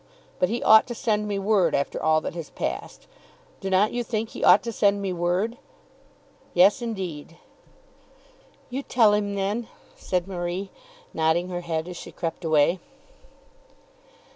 But he ought to send me word after all that has passed. Do not you think he ought to send me word?" "Yes, indeed." "You tell him, then," said Marie, nodding her head as she crept away.